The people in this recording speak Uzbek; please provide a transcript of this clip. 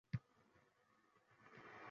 Yolg‘iz qolishdan qo‘rqib, u ham ketdi.